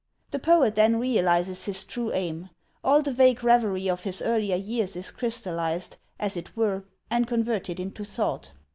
The poet then realizes his true aim. All the vague re very of his earlier years is crystallized, as it were, and converted into thought.